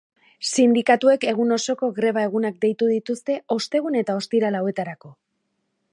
Sindikatuek egun osoko greba-egunak deitu dituzte ostegun eta ostiral hauetarako.